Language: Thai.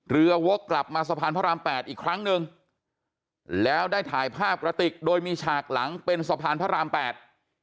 วกกลับมาสะพานพระรามแปดอีกครั้งหนึ่งแล้วได้ถ่ายภาพกระติกโดยมีฉากหลังเป็นสะพานพระรามแปด